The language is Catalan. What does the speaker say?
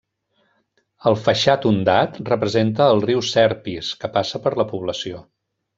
El faixat ondat representa el riu Serpis, que passa per la població.